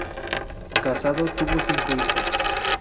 Casado, tuvo cinco hijos.